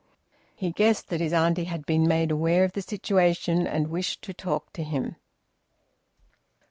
He guessed that his auntie had been made aware of the situation and wished to talk to him.